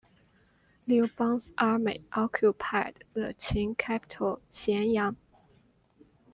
Liu Bang's army occupied the Qin capital Xianyang.